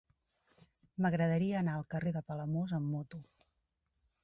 M'agradaria anar al carrer de Palamós amb moto.